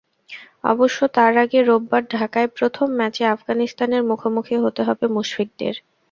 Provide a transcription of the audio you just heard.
অবশ্য তার আগে রোববার ঢাকায় প্রথম ম্যাচে আফগানিস্তানের মুখোমুখি হতে হবে মুশফিকদের।